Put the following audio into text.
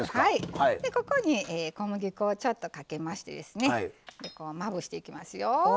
ここに、小麦粉をちょっとかけましてまぶしていきますよ。